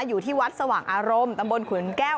อยู่ที่วัดสว่างอารมณ์ตำบลขุนแก้ว